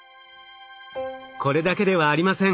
これだけではありません。